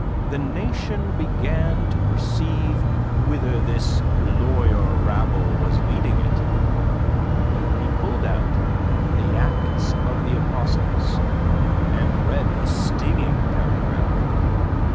The Nation began to perceive whither this lawyer rabble was leading it. He pulled out "The Acts of the Apostles" and read a stinging paragraph.